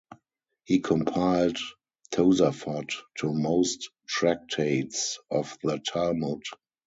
He compiled tosafot to most tractates of the Talmud.